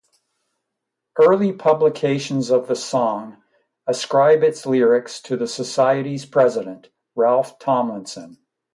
Early publications of the song ascribe its lyrics to the Society's president, Ralph Tomlinson.